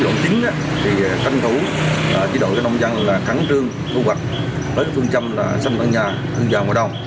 đối với định lập ống thì chỉ đổ cho nông dân là khẳng trương thói nước nhằm để cho lúa không bị nấy mầm tỉnh mầm lúa